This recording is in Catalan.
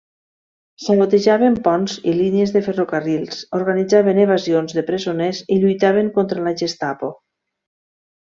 Sabotejaven ponts i línies de ferrocarrils, organitzaven evasions de presoners i lluitaven contra la Gestapo.